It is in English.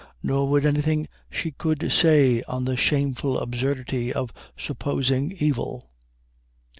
Nor would anything she could say on the shameful absurdity of supposing evil.